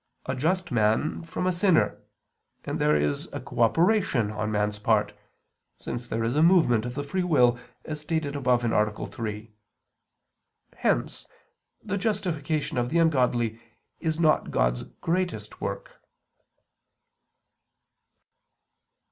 a just man from a sinner, and there is a cooperation on man's part, since there is a movement of the free will, as stated above (A. 3). Hence the justification of the ungodly is not God's greatest work.